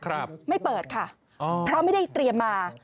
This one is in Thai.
ครับไม่เปิดค่ะอ๋อเพราะไม่ได้เตรียมมา